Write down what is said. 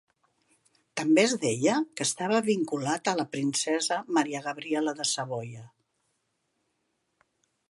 També es deia que estava vinculat a la princesa Maria Gabriella de Savoia.